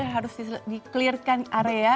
harus di clear kan area